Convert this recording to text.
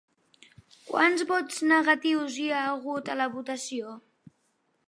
Quants vots negatius hi ha hagut a la votació?